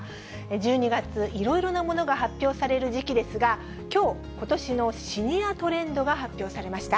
１２月、いろいろなものが発表される時期ですが、きょう、ことしのシニアトレンドが発表されました。